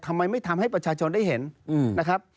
ทำไมไม่ทำให้ประชาชนได้เห็นนะครับ